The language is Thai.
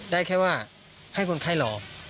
ได้แค่ว่าให้คนไข้รอ